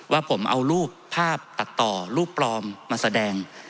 ว่าผมเอารูปภาพตัดต่อรูปปลอมมาแสดง